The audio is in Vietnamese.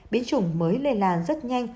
biến chủng mới lây lan rất nhanh